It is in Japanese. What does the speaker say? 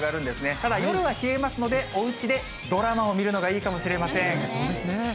ただ、夜は冷えますので、おうちでドラマを見るのがいいかもしれそうですね。